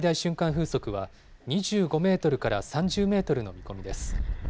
風速は２５メートルから３０メートルの見込みです。